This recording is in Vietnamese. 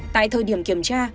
tại thời điểm kiểm tra